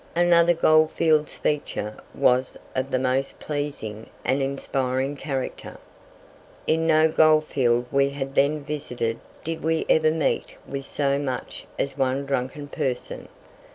Another goldfields feature was of the most pleasing and inspiring character. In no goldfield we had then visited did we ever meet with so much as one drunken person.